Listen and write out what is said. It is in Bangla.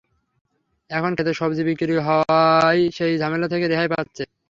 এখন খেতে সবজি বিক্রি হওয়ায় সেই ঝামেলা থেকে রেহাই পাওয়া যাচ্ছে।